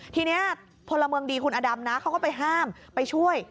ทีนี้พลเมืองดีคุณอดำนะเขาก็ไปห้ามไปช่วย